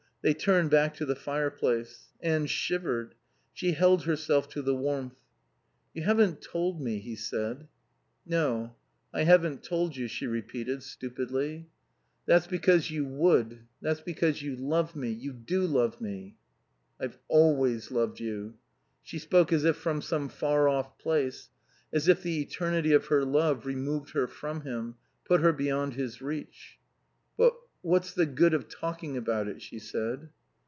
They turned back to the fireplace. Anne shivered. She held herself to the warmth. "You haven't told me," he said. "No, I haven't told you," she repeated, stupidly. "That's because you would. That's because you love me. You do love me." "I've always loved you." She spoke as if from some far off place; as if the eternity of her love removed her from him, put her beyond his reach. "But what's the good of talking about it?" she said.